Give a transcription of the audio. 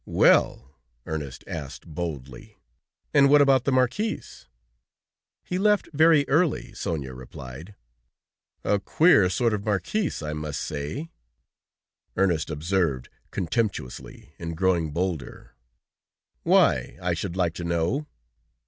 "Well!" Ernest asked boldly, "and what about the Marquis?" "He left very early," Sonia replied. "A queer sort of marquis, I must say!" Ernest observed contemptuously, and growing bolder. "Why, I should like to know?"